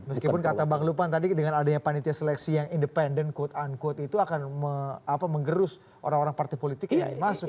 meskipun kata bang lupan tadi dengan adanya panitia seleksi yang independen quote unquote itu akan menggerus orang orang partai politik yang ingin masuk